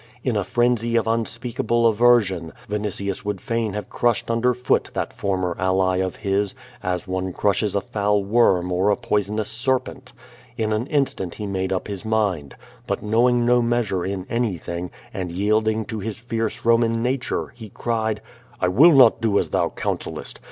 In a frenzy of unspeakable aver sion, Vinitius would fain have crushed under foot that former ally of his, as one crushes a foul worm or a poisonous serpent. In an instant he made up his mind. But knoAving no measure in anything, and yielding to his fierce Soman na ture, he cried: "I will not do as thou counsellest.